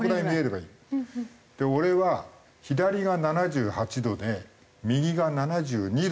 俺は左が７８度で右が７２度だったの。